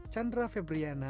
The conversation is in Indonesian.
chandra febrero kampung medan